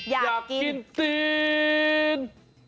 อยากกิน